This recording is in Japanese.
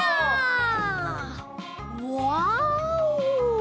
ワオ！